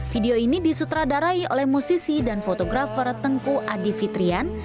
video ini disutradarai oleh musisi dan fotografer tengku adi fitrian